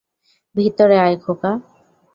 ভিতরে আয়, খোকা।